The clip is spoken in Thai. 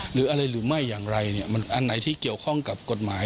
หรืออะไรหรือไม่อย่างไรเนี่ยมันอันไหนที่เกี่ยวข้องกับกฎหมาย